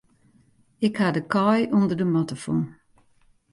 Ik ha de kaai ûnder de matte fûn.